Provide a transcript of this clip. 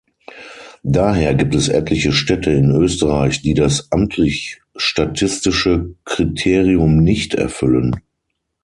Daher gibt es etliche Städte in Österreich, die das amtlich-statistische Kriterium nicht erfüllen.